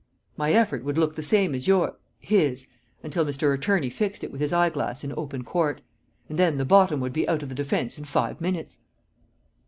My effort would look the same as yours his until Mr. Attorney fixed it with his eyeglass in open court. And then the bottom would be out of the defence in five minutes!"